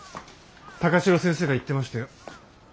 高城先生が言ってましたよ。